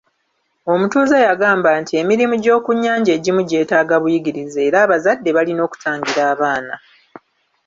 Omutuuze yagamba nti emirimu gy'okunnyanja egimu gyeetaaga buyigirize era abazadde balina okutangira abaana.